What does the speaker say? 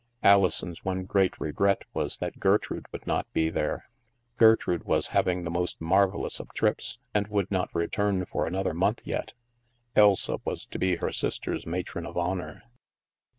Alison's one great regret was that Gertrude would not be there. Gertrude was having the most mar vellous of trips and would not return for another month yet Elsa was to be her sister's matron of honor.